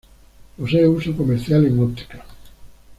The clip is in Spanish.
Posee uso comercial en óptica.